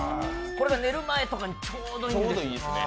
これが寝る前とかにちょうどいいんです。